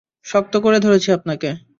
শক্ত করে ধরেছি আপনাকে!